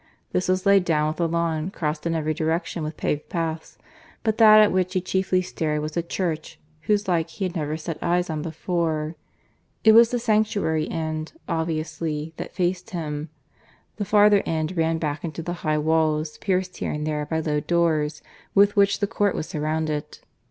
This was laid down with a lawn, crossed in every direction with paved paths. But that at which he chiefly stared was a church whose like he had never set eyes on before. It was the sanctuary end, obviously, that faced him; the farther end ran back into the high walls, pierced here and there by low doors, with which the court was surrounded.